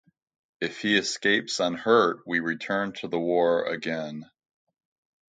If he escapes unhurt, we return to the war again.